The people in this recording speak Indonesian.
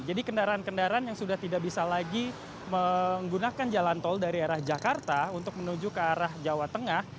jadi kendaraan kendaraan yang sudah tidak bisa lagi menggunakan jalan tol dari arah jakarta untuk menuju ke arah jawa tengah